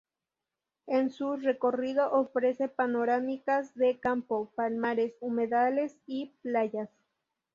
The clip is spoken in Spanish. En su recorrido ofrece panorámicas de campo, palmares, humedales y playas.